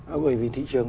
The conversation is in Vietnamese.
ở người vì thị trường